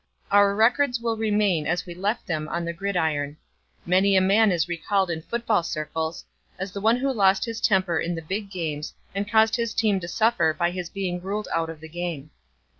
Our records will remain as we left them on the gridiron. Many a man is recalled in football circles as the one who lost his temper in the big games and caused his team to suffer by his being ruled out of the game.